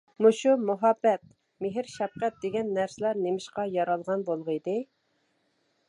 مۇشۇ مۇھەببەت، مېھىر-شەپقەت دېگەن نەرسىلەر نېمىشقا يارالغان بولغىيدى.